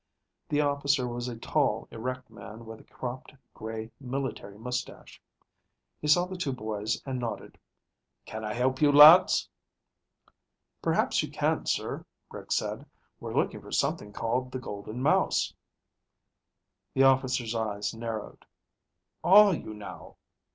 The officer was a tall, erect man with a cropped, gray military mustache. He saw the two boys and nodded. "Can I help you, lads?" "Perhaps you can, sir," Rick said. "We're looking for something called the Golden Mouse." The officer's eyes narrowed. "Are you now?"